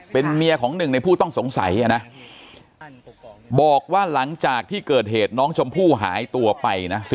เป็นเมียของหนึ่งในผู้ต้องสงสัยนะบอกว่าหลังจากที่เกิดเหตุน้องชมพู่หายตัวไปนะ